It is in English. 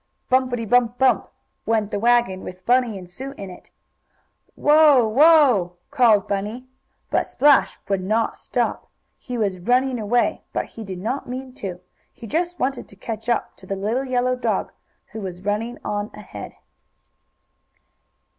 "Bumpity bump bump!" went the wagon with Bunny and Sue in it. "Whoa! Whoa!" called Bunny. But Splash would not stop. He was running away, but he did not mean to. He just wanted to catch up to the little yellow dog who was running on ahead.